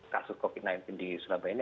kasus covid sembilan belas di surabaya ini